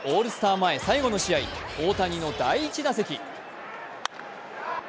前最後の試合、大谷の第１打席。